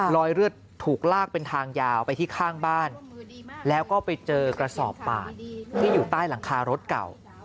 รอยเลือดถูกลากเป็นทางยาวไปที่ข้างบ้านแล้วก็ไปเจอกระสอบปาดที่อยู่ใต้หลังคารถเก่า